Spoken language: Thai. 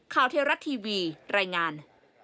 ข่าวเทราะห์ทีวีรายงาน